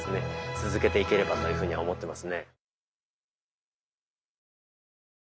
続けていければというふうに思ってますね。